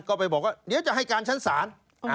ก็ไปบอกว่าเดี๋ยวจะให้การชั้นศาล